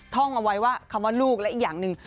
ท่องเอาไว้ว่าคำว่าลูกและอีกอย่างหนึ่ง